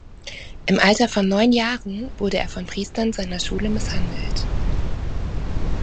Im Alter von neun Jahren wurde er von Priestern seiner Schule misshandelt.